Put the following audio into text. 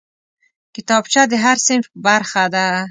کتابچه د هر صنف برخه ده